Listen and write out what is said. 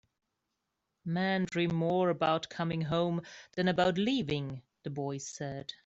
"Men dream more about coming home than about leaving," the boy said.